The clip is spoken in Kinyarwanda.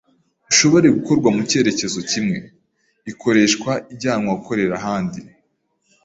ushobore gukorwa mu cyerekezo kimwe, ikoreshwa ijyanwa gukorera ahandi.